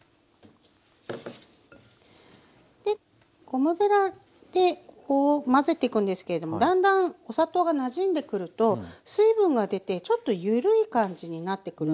ゴムべらでこう混ぜてくんですけれどもだんだんお砂糖がなじんでくると水分が出てちょっと緩い感じになってくるんですね。